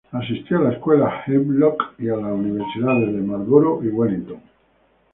Asistió a la Escuela Havelock, y a las Universidades de Marlborough, y Wellington.